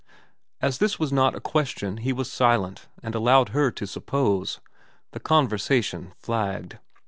As this was not a question he was silent, and allowed her to suppose. The conversation flagged.